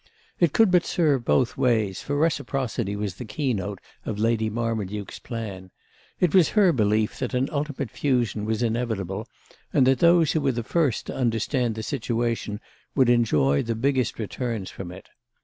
It could but serve both ways, for reciprocity was the keynote of Lady Marmaduke's plan. It was her belief that an ultimate fusion was inevitable and that those who were the first to understand the situation would enjoy the biggest returns from it.